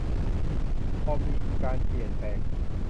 พอมีการเปลี่ยนแปลง